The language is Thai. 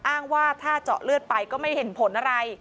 อ้างว่าถ้าเจาะเลือดไปก็ไม่เห็นผลอะไร